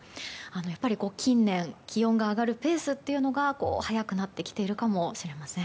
やっぱり近年気温が上がるペースというのが早くなってきているかもしれません。